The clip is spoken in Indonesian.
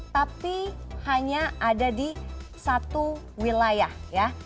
tapi hanya ada di satu wilayah ya